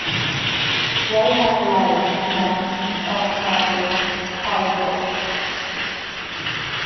Welham lies north-east of Market Harborough.